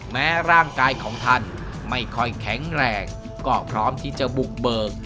แม้ร่างกายของท่านไม่ค่อยแข็งแรงก็พร้อมที่จะบุกเบิก